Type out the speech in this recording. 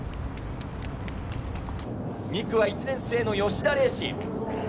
２区は１年生の吉田礼志。